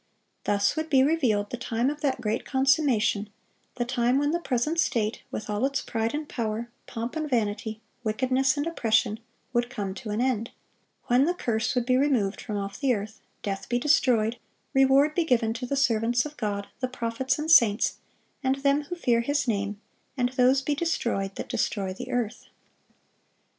Thus would be revealed the time of that great consummation, the time when the present state, with "all its pride and power, pomp and vanity, wickedness and oppression, would come to an end;" when the curse would be "removed from off the earth, death be destroyed, reward be given to the servants of God, the prophets and saints, and them who fear His name, and those be destroyed that destroy the earth."